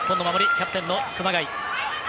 キャプテンの熊谷。